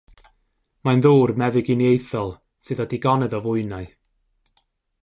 Mae'n ddŵr meddyginiaethol sydd â digonedd o fwynau.